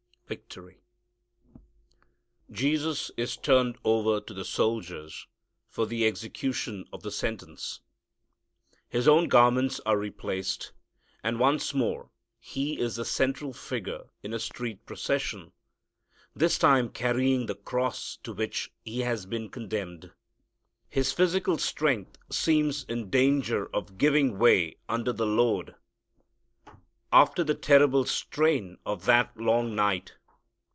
Victory. Jesus is turned over to the soldiers for the execution of the sentence. His own garments are replaced, and once more He is the central figure in a street procession, this time carrying the cross to which He has been condemned. His physical strength seems in danger of giving way under the load, after the terrible strain of that long night.